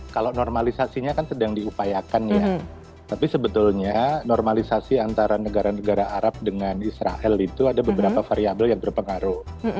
kalau normalisasinya kan sedang diupayakan ya tapi sebetulnya normalisasi antara negara negara arab dengan israel itu ada beberapa variable yang berpengaruh